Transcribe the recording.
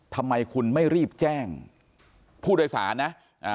ทำไมคุณไม่รีบแจ้งผู้โดยสารนะ